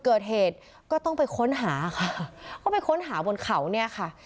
เกิดเหตุก็ต้องไปค้นหาค่ะก็ไปค้นหาบนเขาเนี่ยค่ะ